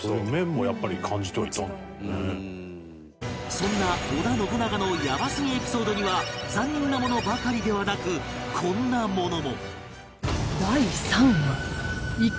そんな織田信長のやばすぎエピソードには残忍なものばかりではなくこんなものも